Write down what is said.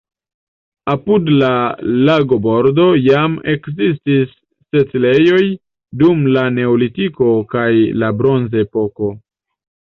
Apud la lagobordo jam ekzistis setlejoj dum la neolitiko kaj la bronzepoko.